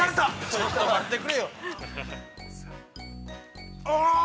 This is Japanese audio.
◆ちょっと待ってくれよ。